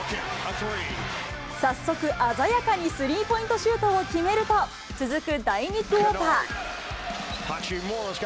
早速、鮮やかにスリーポイントシュートを決めると、続く第２クオーター。